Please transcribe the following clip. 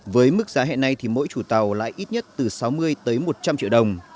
với mức giá hẹn này thì mỗi chủ tàu lại ít nhất từ sáu mươi một trăm linh triệu đồng